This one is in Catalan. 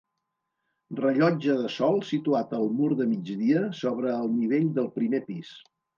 Rellotge de sol situat al mur de migdia sobre el nivell del primer pis.